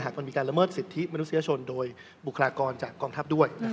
มันมีการละเมิดสิทธิมนุษยชนโดยบุคลากรจากกองทัพด้วย